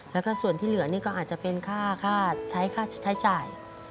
แล้วก็ส่วนที่เหลือนี่ก็อาจจะเป็นค่าใช้ค่าใช้จ่าย